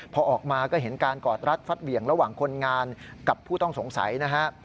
พอออกมาก็เห็นการกอดรัดฟัดเหวี่ยงระหว่างคนงานกับผู้ต้องสงสัยนะฮะ